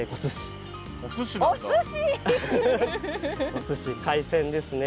おすし海鮮ですね。